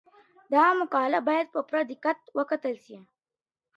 دا مقاله باید په پوره دقت وکتل سي.